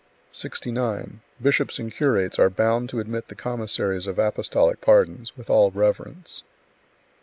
69. Bishops and curates are bound to admit the commissaries of apostolic pardons, with all reverence.